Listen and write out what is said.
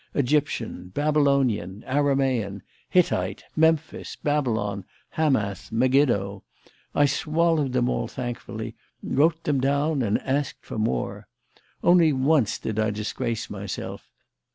Egyptian, Babylonian, Aramaean, Hittite, Memphis, Babylon, Hamath, Megiddo I swallowed them all thankfully, wrote them down and asked for more. Only once did I disgrace myself.